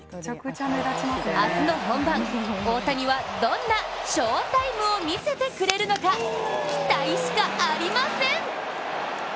明日の本番、大谷はどんな翔タイムをみせてくれるのか期待しかありません！